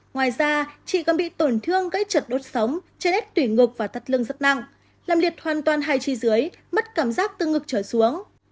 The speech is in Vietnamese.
ngoài ra chị còn bị tổn thương gây chật đốt sống trên hết tủy ngực và thắt lưng rất nặng làm liệt hoàn toàn hai chi dưới mất cảm giác từ ngực trở xuống